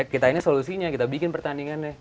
kita ini solusinya kita bikin pertandingan deh